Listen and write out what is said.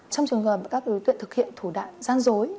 trong trường hợp các đối tượng thực hiện thủ đoạn gian dối